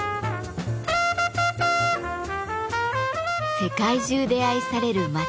世界中で愛される抹茶。